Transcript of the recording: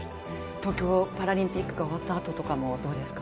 東京パラリンピックが終わったあととかもどうですか？